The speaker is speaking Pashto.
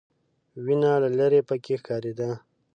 وینه له ليرې پکې ښکارېده.